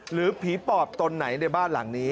หรือผีปอบตนไหนในบ้านหลังนี้